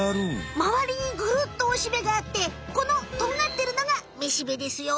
まわりにぐるっとおしべがあってこのとんがってるのがめしべですよ。